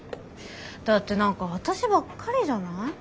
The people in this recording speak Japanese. だって何か私ばっかりじゃない？